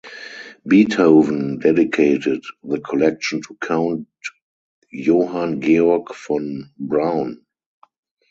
Beethoven dedicated the collection to Count Johann Georg von Browne.